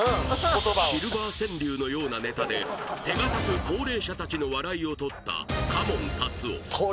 言葉をシルバー川柳のようなネタで手堅く高齢者達の笑いを取った嘉門タツオ